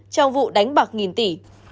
trong vụ đánh bạc nghìn tỷ